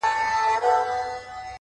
حالات خراب دي مځکه ښورې مه ځه’